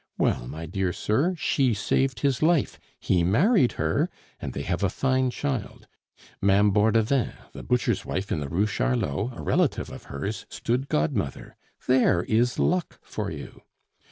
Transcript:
Well, my dear sir, she saved his life, he married her, and they have a fine child; Ma'am Bordevin, the butcher's wife in the Rue Charlot, a relative of hers, stood godmother. There is luck for you!